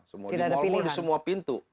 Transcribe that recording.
semua di mall semua di semua pintu